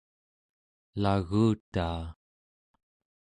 elagutaa